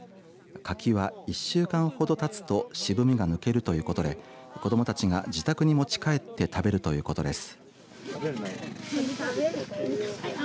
柿は１週間ほどたつと渋みが抜けるということで子どもたちが自宅に持ち帰って食べるということです。